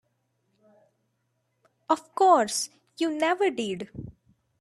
Of course you never did.